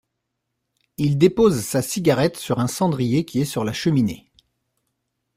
Il dépose sa cigarette sur un cendrier qui est sur la cheminée.